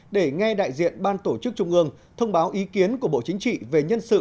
để nghe đại diện ban tổ chức trung ương thông báo ý kiến của bộ chính trị về nhân sự